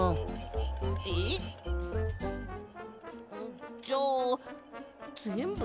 んじゃあぜんぶ